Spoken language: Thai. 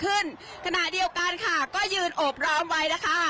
ขณะเดียวกันค่ะก็ยืนโอบร้อมไว้นะคะ